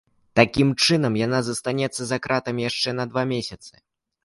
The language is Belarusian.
Такім чынам, яна застанецца за кратамі яшчэ на два месяцы.